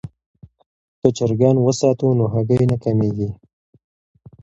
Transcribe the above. که چرګان وساتو نو هګۍ نه کمیږي.